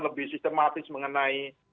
lebih sistematis mengenai